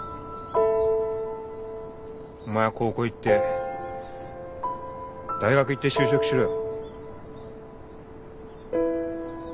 お前は高校行って大学行って就職しろよ。